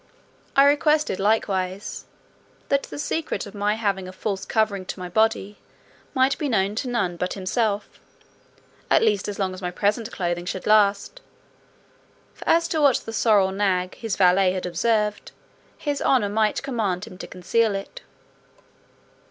I requested likewise, "that the secret of my having a false covering to my body, might be known to none but himself, at least as long as my present clothing should last; for as to what the sorrel nag, his valet, had observed, his honour might command him to conceal it."